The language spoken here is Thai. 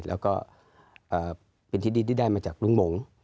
แล้วก็เป็นที่ดินที่ได้มาจากลุงหมง